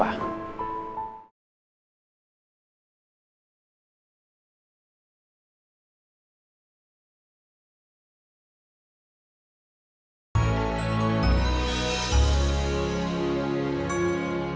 aku tidak akan berpikir apa apa